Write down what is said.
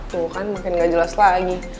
gue kan makin ga jelas lagi